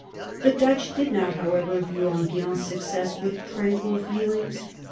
The Dutch did not, how ever, view Enghien's success with tranquil feelings.